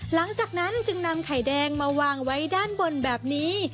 หลังจากนั้นจึงนำไข่แดงมาวางไว้ด้านบนแบบนี้